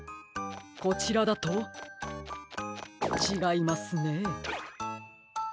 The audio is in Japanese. こちらだとちがいますね。